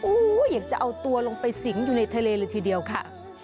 อยากจะเอาตัวลงไปสิงอยู่ในทะเลเลยทีเดียวค่ะ